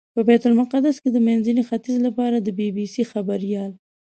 په بیت المقدس کې د منځني ختیځ لپاره د بي بي سي خبریال.